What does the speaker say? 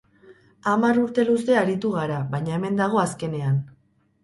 Hamar urte luze aritu g ara, baina hemen dago azkenean.